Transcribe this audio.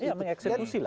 iya meng eksekusi lah